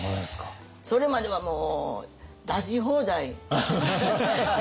それまではもう出し放題。